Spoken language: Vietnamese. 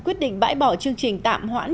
quyết định bãi bỏ chương trình tạm hoãn